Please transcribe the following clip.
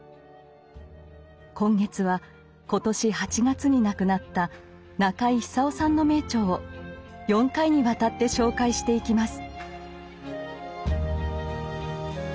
今月は今年８月に亡くなった中井久夫さんの名著を４回にわたって紹介していきます。